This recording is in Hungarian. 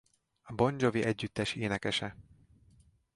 A Bon Jovi együttes énekese.